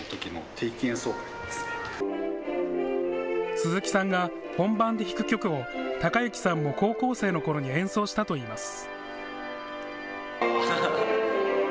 鈴木さんが本番で弾く曲を崇之さんも高校生のころに演奏したといいます。